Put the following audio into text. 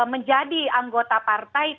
menjadi anggota partai